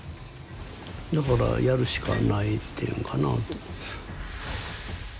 だからやるしかないっていうんかな。